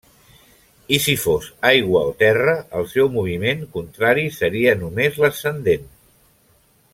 I si fos aigua o terra, el seu moviment contrari seria només l'ascendent.